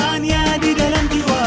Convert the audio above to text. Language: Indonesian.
hanya di dalam jiwa